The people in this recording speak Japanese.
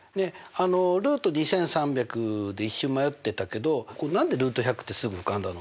ルート２３００で一瞬迷ってたけど何でルート１００ってすぐ浮かんだの？